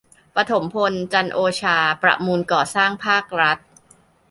ปฐมพล จันทร์โอชา ประมูลก่อสร้างภาครัฐ